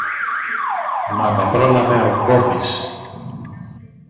Μα με πρόλαβε ο Μπόμπης: